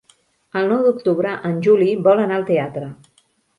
El nou d'octubre en Juli vol anar al teatre.